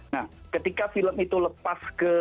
nah ketika film itu lepas ke